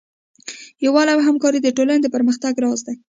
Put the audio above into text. یووالی او همکاري د ټولنې د پرمختګ راز دی.